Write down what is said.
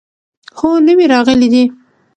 هو، نوي راغلي دي